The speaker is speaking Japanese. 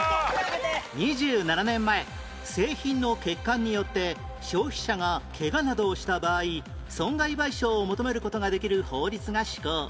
２７年前製品の欠陥によって消費者がケガなどをした場合損害賠償を求める事ができる法律が施行